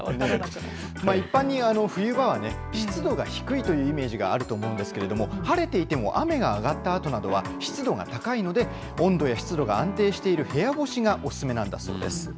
一般に冬場は、湿度が低いというイメージがあると思うんですけれども、晴れていても雨が上がったあとなどは湿度が高いので、温度や湿度が安定している部屋干しがお勧めなんだそうです。